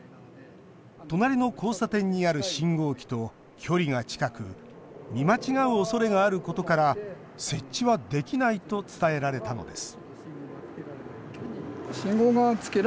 隣の交差点にある信号機と距離が近く見間違うおそれがあることから設置はできないと伝えられたのです